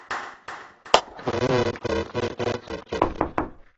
同名评剧电视剧